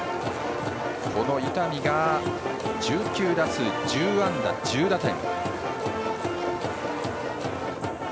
この伊丹が１９打数１０安打１０打点。